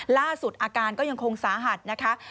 ล่าสุดอาการก็ยังคงสาหัสนะคะ